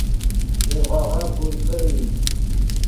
ایرغوغف گل کڑیئی